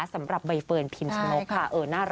สำหรับใบเฟิร์นพิมชนกค่ะเออน่ารัก